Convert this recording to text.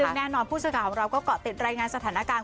ซึ่งแน่นอนผู้สื่อข่าวของเราก็เกาะติดรายงานสถานการณ์